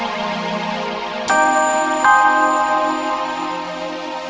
kau bisa tawarkan kepadamu